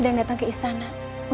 dan apa yang ci enate